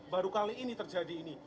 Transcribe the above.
baru kali ini terjadi ini